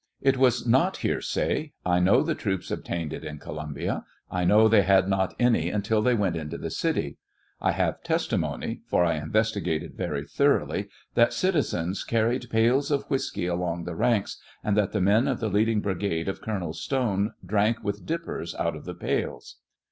It was not hearsay; I know the troops obtained it in Columbia ; I know they had" not any until they went into the city ; I have testimony — for 1 investigated very thoroughly — that citizens car ried pails of whiskey along the ranks, and that the men of the leading Brigade of Col. Stone drank with dippers out of the pails.